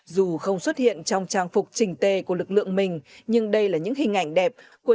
dù không xuất hiện trong trang phục trình tề của lực lượng mình nhưng đây là những hình ảnh đẹp của